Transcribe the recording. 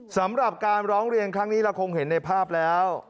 สำหรับการร้องเรียนครั้งนี้เราคงเห็นในภาพแล้ว